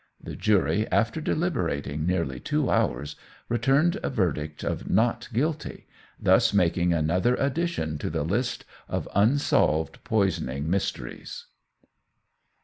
The jury, after deliberating nearly two hours, returned a verdict of "Not guilty," thus making another addition to the list of unsolved poisoning mysteries.